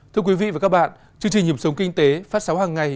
thưa quý vị và các bạn chương trình hiệp sống kinh tế phát sóng hàng ngày